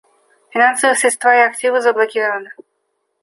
Финансовые средства и активы заблокированы.